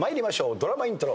ドラマイントロ。